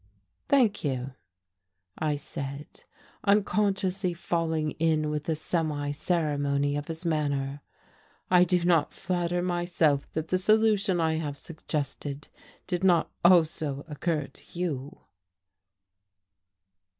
"Thank you," I said, unconsciously falling in with the semi ceremony of his manner. "I do not flatter myself that the solution I have suggested did not also occur to you."